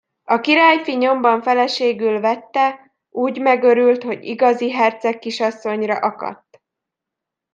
A királyfi nyomban feleségül vette, úgy megörült, hogy igazi hercegkisasszonyra akadt.